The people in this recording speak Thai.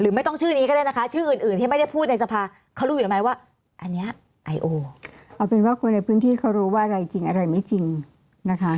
เอาเป็นว่าคนในพื้นที่เขารู้ว่าอะไรจริงอะไรไม่จริงนะคะ